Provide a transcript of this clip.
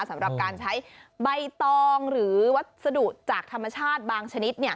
สำหรับการใช้ใบตองหรือวัสดุจากธรรมชาติบางชนิด